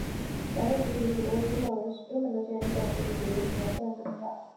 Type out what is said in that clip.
常见的致病因子包括幽门螺旋杆菌以及非类固醇消炎止痛药。